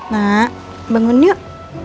mak bangun yuk